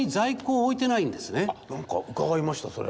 何か伺いましたそれ。